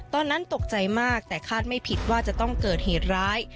ตอนนั้นตกใจมากแต่คาดไม่ผิดว่าจะต้องเกิดเหตุร้าย